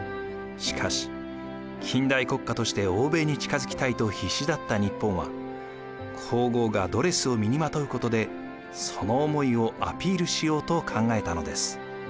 しかし近代国家として欧米に近づきたいと必死だった日本は皇后がドレスを身にまとうことでその思いをアピールしようと考えたのです。